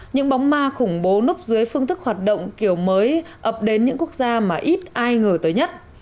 những bóng ma khủng bố núp dưới phương thức hoạt động kiểu mới ập đến những quốc gia mà ít ai ngờ tới nhất